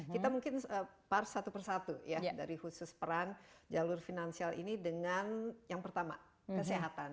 kita mungkin part satu persatu ya dari khusus peran jalur finansial ini dengan yang pertama kesehatan